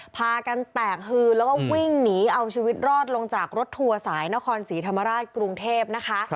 พากันแตกฮือแล้วก็วิ่งหนีเอาชีวิตรอดลงจากรถทัวร์สายนครศรีธรรมราชกรุงเทพนะคะ